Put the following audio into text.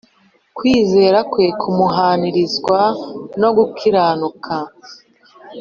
kwizera kwe kumuhwanirizwa no gukiranuka